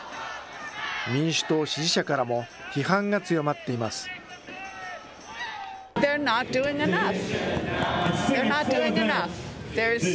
民主党支持者からも批判が強まっています。